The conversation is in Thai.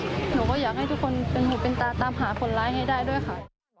หนูก็อยากให้ทุกคนเป็นหูเป็นตาตามหาคนร้ายให้ได้ด้วยค่ะ